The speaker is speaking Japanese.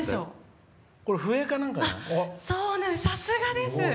さすがです！